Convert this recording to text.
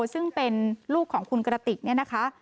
ซึ่งเป็นลูกของคุณกระติก